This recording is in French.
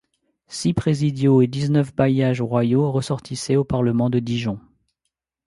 Six présidiaux et dix-neuf bailliages royaux ressortissaient au parlement de Dijon.